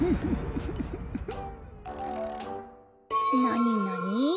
なになに？